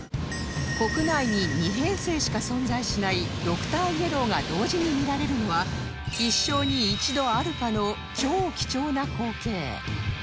国内に２編成しか存在しないドクターイエローが同時に見られるのは一生に一度あるかの超貴重な光景